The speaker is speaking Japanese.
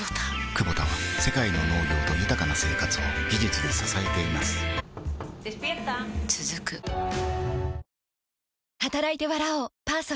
クボタは世界の農業と豊かな生活を技術で支えています起きて。